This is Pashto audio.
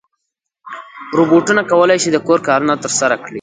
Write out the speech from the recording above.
روبوټونه کولی شي د کور کارونه ترسره کړي.